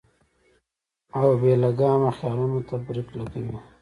او بې لګامه خيالونو ته برېک لګوي -